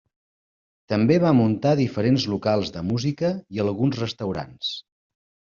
També va muntar diferents locals de música i alguns restaurants.